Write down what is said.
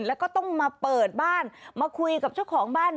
แล้วก็ต้องมาเปิดบ้านมาคุยกับเจ้าของบ้าน